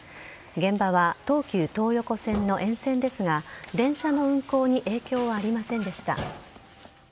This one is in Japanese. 現場は東急東横線の沿線ですが電車の運行に影響はありませんでした。